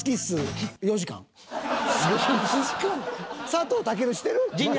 佐藤健してる？